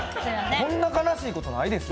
こんな悲しいことないです。